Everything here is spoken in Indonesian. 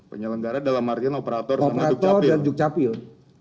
penyelenggara dalam artian operator dan dukcapil